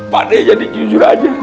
pak de jadi jujur aja